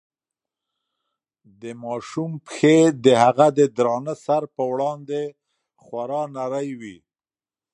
د ماشوم پښې د هغه د درانه سر په وړاندې خورا نرۍ وې.